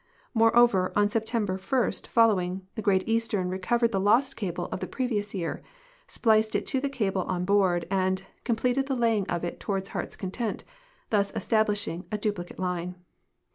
IMoreover, on September 1 following, the Great Eastern recovered the lost cable of the previous year, spliced it to the cable on board, and completed the laying of it toward Heart's Content, thus establishing a duplicate line.